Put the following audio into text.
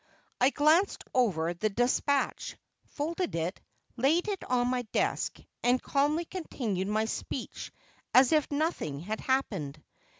I glanced over the despatch, folded it, laid it on my desk, and calmly continued my speech as if nothing had happened.